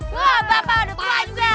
wah bapak udah tua juga